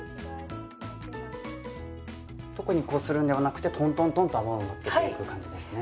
特にこするんではなくてトントントンと泡をのっけていく感じですね。